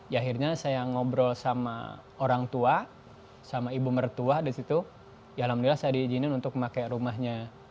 ya akhirnya saya ngobrol sama orang tua sama ibu mertua disitu ya alhamdulillah saya diizinin untuk memakai rumahnya